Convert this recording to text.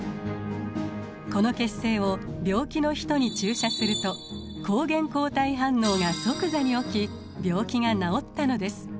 この血清を病気の人に注射すると抗原抗体反応が即座に起き病気が治ったのです。